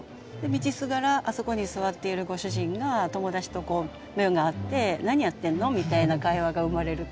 道すがらあそこに座っているご主人が友達と目が合って「何やってんの？」みたいな会話が生まれるっていうか。